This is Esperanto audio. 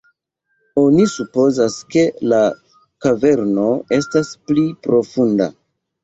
Oni supozas, ke la kaverno estas pli profunda.